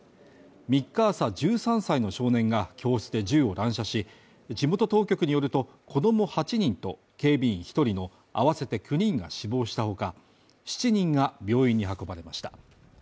３日朝１３歳の少年が教室で銃を乱射し地元当局によると、子供８人と警備員１人のあわせて９人が死亡した他、７人が病院に運ばれました。